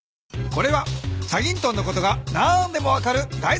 これは『チャギントン』のことが何でも分かるだい